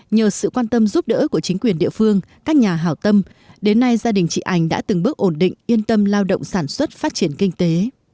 nhờ sự quan tâm giúp đỡ của chính quyền địa phương các nhà hảo tâm đến nay gia đình chị anh đã từng bước ổn định yên tâm lao động sản xuất phát triển kinh tế